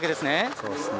そうですね。